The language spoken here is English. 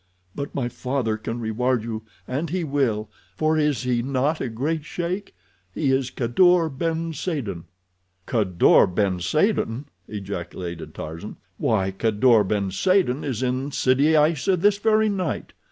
But my father can reward you, and he will, for is he not a great sheik? He is Kadour ben Saden." "Kadour ben Saden!" ejaculated Tarzan. "Why, Kadour ben Saden is in Sidi Aissa this very night.